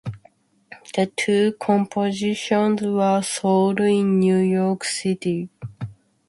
The two compositions were sold in New York City.